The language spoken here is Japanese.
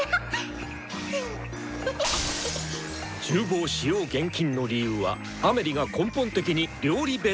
「厨房使用厳禁！」の理由はアメリが根本的に料理ベタだからだ！